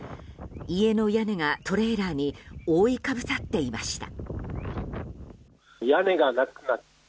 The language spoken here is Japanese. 家の屋根がトレーラーに覆いかぶさっていました。